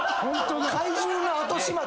「怪獣の後始末」